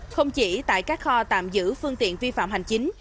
không chỉ tại các kho tạm giữ phương tiện vi phạm hành chính